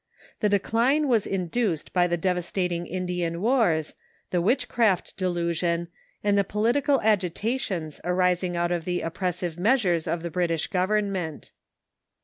The decline was induced by the devas tating Indian wars, the Avitchcraft delusion, and the political agitations arising out of the oppressive measures of the Brit ish goA'ernment.